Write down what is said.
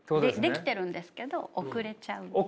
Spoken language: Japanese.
できてるんですけど遅れちゃうね。